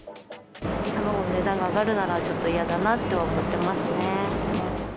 卵の値段が上がるなら、ちょっと嫌だなと思ってますね。